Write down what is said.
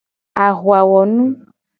Ahuawonu.